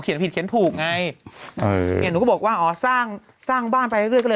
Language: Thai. ผิดเขียนถูกไงเออเนี่ยหนูก็บอกว่าอ๋อสร้างสร้างบ้านไปเรื่อยก็เลย